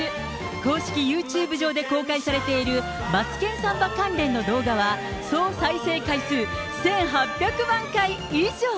公式ユーチューブ上で公開されているマツケンサンバ関連の動画は、総再生回数１８００万回以上。